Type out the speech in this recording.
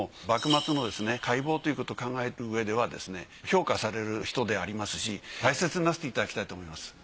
幕末の海防ということを考えるうえではですね評価される人でありますし大切になさっていただきたいと思います。